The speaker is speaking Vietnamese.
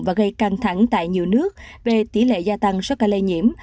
và gây căng thẳng tại nhiều nước về tỷ lệ gia tăng so với ca lây nhiễm